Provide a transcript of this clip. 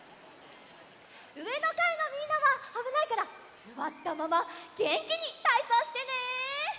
うえのかいのみんなはあぶないからすわったままげんきにたいそうしてね！